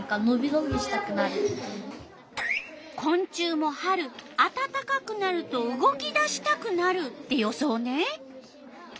こん虫も春あたたかくなると動き出したくなるって予想ね。